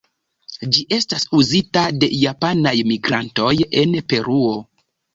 Ĝi estas uzita de japanaj migrantoj en Peruo.